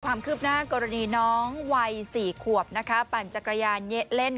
ความคืบหน้ากรณีน้องวัย๔ขวบนะคะปั่นจักรยานเล่น